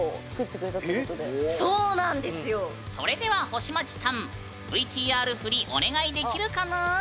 それでは星街さんＶＴＲ振りお願いできるかぬん？